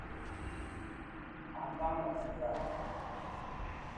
あんぱんがたべたい